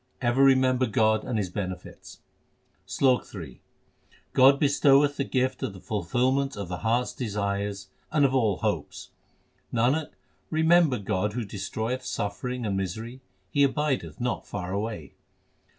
Ever remember God and His benefits : SLOK III God bestoweth the gift of the fulfilment of the heart s desires and of all hopes. Nanak, remember God who destroyeth suffering and misery ; He abideth not far away.